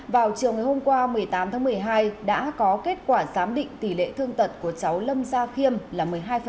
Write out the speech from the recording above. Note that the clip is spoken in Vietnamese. vào chiều ngày hôm qua một mươi tám tháng một mươi hai đã có kết quả giám định tỷ lệ thương tật của cháu lâm gia khiêm là một mươi hai